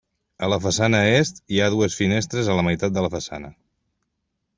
A la façana est, hi ha dues finestres a la meitat de la façana.